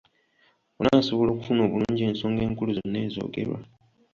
Onaasobola okufuna obulungi ensonga enkulu zonna ezoogerwa.